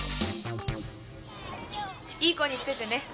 いい子にしててね。